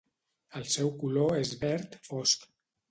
El seu color és verd fosc.